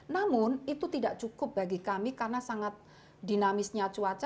namun itu tidak cukup bagi kami karena sangat dinamisnya cuaca